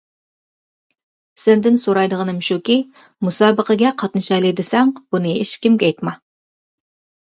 سەندىن سورايدىغىنىم شۇكى: مۇسابىقىگە قاتنىشايلى دېسەڭ، بۇنى ھېچكىمگە ئېيتما.